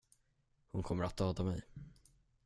Hon kommer att döda mig.